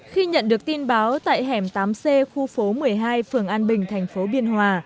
khi nhận được tin báo tại hẻm tám c khu phố một mươi hai phường an bình thành phố biên hòa